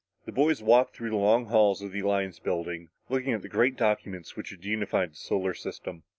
The boys walked through the long halls of the Alliance building, looking at the great documents which had unified the solar system.